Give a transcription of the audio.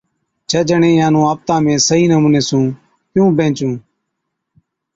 ڇه جڻين اِينهان نُون آپتان ۾ صحِيح نمُوني سُون ڪيُون بيهنچُون؟